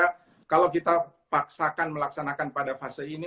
karena kalau kita paksakan melaksanakan pada fase ini